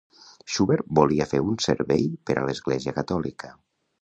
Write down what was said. Schubert volia fer un servei per a l'església catòlica.